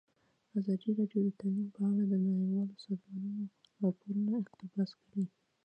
ازادي راډیو د تعلیم په اړه د نړیوالو سازمانونو راپورونه اقتباس کړي.